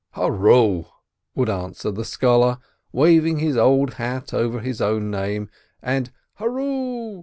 "Hurroo!" would answer the scholar, waving his old hat over his own name, and "Hurroo!"